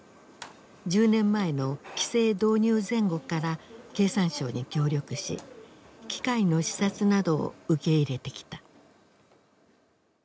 １０年前の規制導入前後から経産省に協力し機械の視察などを受け入れてきた。